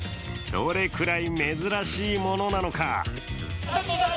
どれくらい珍しいものなのか。